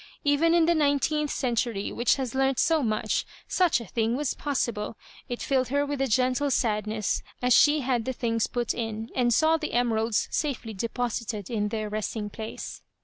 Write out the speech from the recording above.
Even in the nineteenth century, which has learnt so much, such a thing was possible! It filled her with a gentle sadness as she had the things put in, and saw the emeralds safely deposit ed in their resting place.